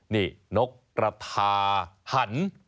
นี่นกกระทาหัน